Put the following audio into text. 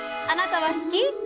あなたは好き？